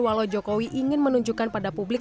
walau jokowi ingin menunjukkan pada publik